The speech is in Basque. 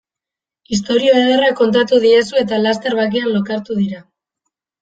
Istorio ederra kontatu diezu eta laster batean lokartu dira.